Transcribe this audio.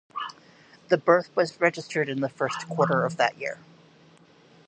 The birth was registered in the first quarter of that year.